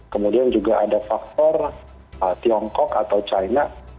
kemudian juga ada faktor tiongkok atau china